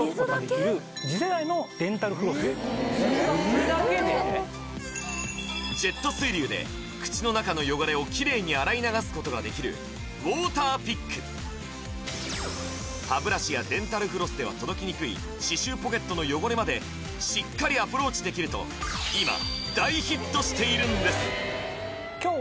こちらジェット水流で口の中の汚れをキレイに洗い流すことができるウォーターピック歯ブラシやデンタルフロスでは届きにくい歯周ポケットの汚れまでしっかりアプローチできると今大ヒットしているんです